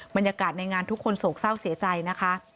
บรรยากาศในงานทุกคนโศกเศร้าเสียใจนะคะ